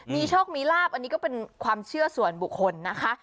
มีโชคมีลาบอันนี้ก็เป็นความเชื่อส่วนบุคคลนะคะ